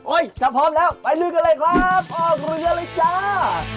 โอ๊ยเราพร้อมแล้วไปดูกันเลยครับออกรุยาเลยจ้า